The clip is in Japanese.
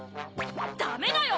ダメだよ！